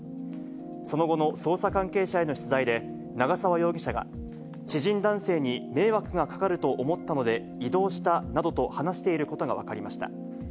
その後の捜査関係者への取材で、長沢容疑者が、知人男性に迷惑がかかると思ったので移動したなどと話していることが分かりました。